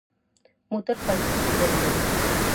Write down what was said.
موټر ښایسته ډیزاین لري.